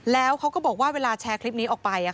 แล้วเขาก็บอกว่าเวลาแชร์คลิปนี้ออกไป